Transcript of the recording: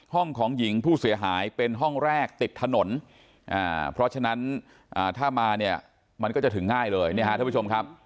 ห้องของหญิงผู้เสียหายเป็นห้องแรกติดถนนเพราะฉะนั้นถ้ามาเนี่ยมันก็จะถึงง่ายเลยเนี่ยฮะท่านผู้ชมครับ